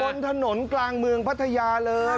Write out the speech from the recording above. บนถนนกลางเมืองพัทยาเลย